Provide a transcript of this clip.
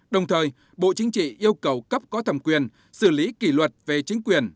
đồng thời bộ chính trị yêu cầu cấp có thẩm quyền xử lý kỷ luật về chính quyền